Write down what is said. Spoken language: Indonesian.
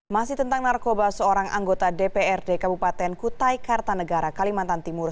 masih tentang narkoba seorang anggota dprd kabupaten kutai kartanegara kalimantan timur